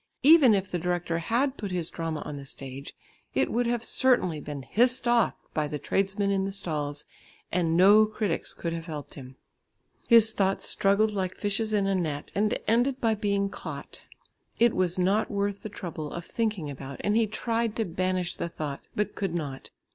Even if the director had put his drama on the stage, it would have certainly been hissed off by the tradesmen in the stalls, and no critics could have helped him! His thoughts struggled like fishes in a net, and ended by being caught. It was not worth the trouble of thinking about and he tried to banish the thought, but could not.